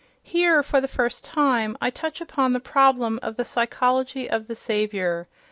Here, for the first time, I touch upon the problem of the psychology of the Saviour.